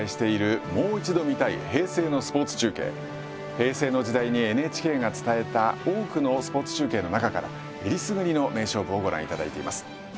平成の時代にＮＨＫが伝えた多くのスポーツ中継の中からえりすぐりの名勝負をご覧いただいています。